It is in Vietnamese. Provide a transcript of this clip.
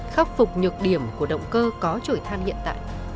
khắc phục nhược điểm của động cơ có trổi than hiện tại